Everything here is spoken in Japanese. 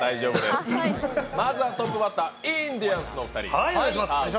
まずはトップバッターインディアンスのお二人。